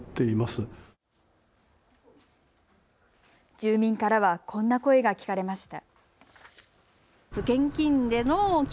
住民からはこんな声が聞かれました。